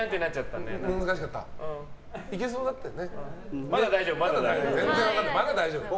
いけそうだったよね。